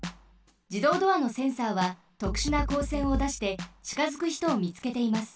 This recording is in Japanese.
じどうドアのセンサーはとくしゅなこうせんをだしてちかづくひとをみつけています。